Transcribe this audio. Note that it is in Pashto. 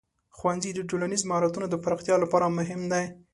ښوونځی د ټولنیز مهارتونو د پراختیا لپاره مهم دی.